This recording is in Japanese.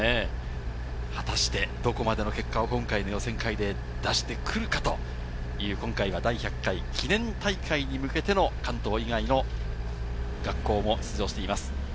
果たしてどこまでの結果を今回の予選会で出してくるかという、今回は第１００回記念大会に向けての関東以外の学校も出場しています。